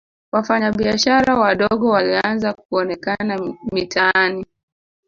wafanya biashara wadogo walianza kuonekana mitaani